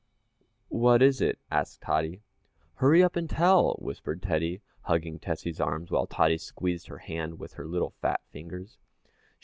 "What is it?" asked Tottie. "Hurry up and tell," whispered Teddy, hugging Tessie's arm, while Tottie squeezed her hand with her little fat fingers.